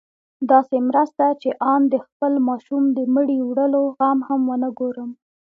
داسې مرسته چې آن د خپل ماشوم د مړي وړلو غم هم ونه ګورم.